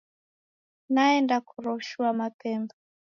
Naenda koroshua mapemba.